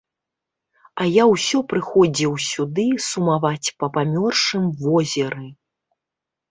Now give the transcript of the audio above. А я ўсё прыходзіў сюды сумаваць па памёршым возеры.